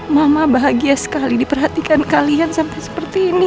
mama bahagia sekali diperhatikan kalian sampai seperti ini